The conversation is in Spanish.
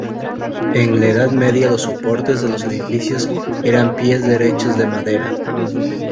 En la Edad Media los soportes de los edificios eran pies derechos de madera.